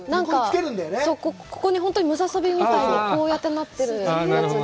ここに本当にムササビみたいに、こうやってなってるやつで。